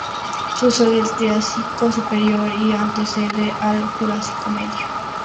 Sucede al Triásico Superior y antecede al Jurásico Medio.